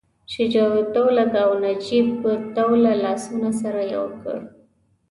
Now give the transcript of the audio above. شجاع الدوله او نجیب الدوله لاسونه سره یو کړي.